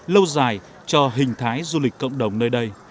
lâu dài cho hình thái du lịch cộng đồng nơi đây